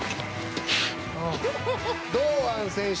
「堂安選手」